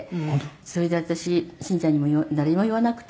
「それで私慎ちゃんにも誰にも言わなくてね」